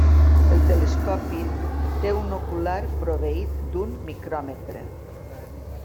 El telescopi té un ocular proveït d'un micròmetre.